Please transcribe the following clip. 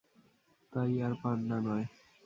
তাই, আর পান্ডা নয়।